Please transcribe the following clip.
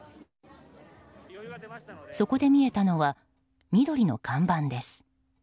そこで見えたのは緑の看板です。